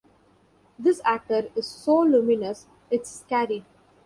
This actor is so luminous it's scary!